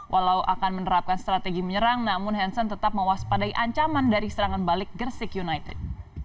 walau akan menerapkan strategi menyerang namun hansen tetap mewaspadai ancaman dari serangan balik gersik united